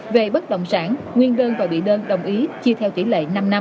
về bất động sản nguyên đơn và bị đơn đồng ý chia theo tỷ lệ năm năm